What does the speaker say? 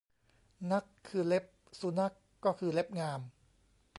นัขคือเล็บ สุนัขก็คือเล็บงาม